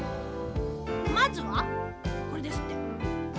まずはこれですって。